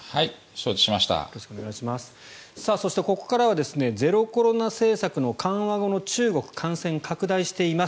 そして、ここからはゼロコロナ政策の緩和後の中国感染拡大しています。